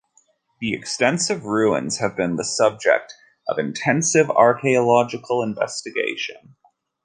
The extensive ruins have been the subject of intensive archaeological investigation.